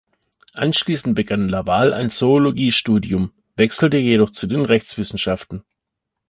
Anschließend begann Laval ein Zoologie-Studium, wechselte jedoch zu den Rechtswissenschaften.